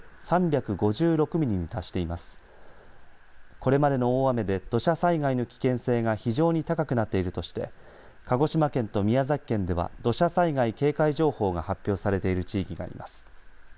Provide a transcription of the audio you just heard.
これまでの大雨で土砂災害の危険性が非常に高くなっているとして鹿児島県と宮崎県では土砂災害警戒情報が発表されている地域があります。